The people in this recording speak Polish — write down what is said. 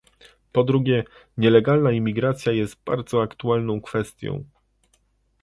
Po drugie, nielegalna imigracja jest bardzo aktualną kwestią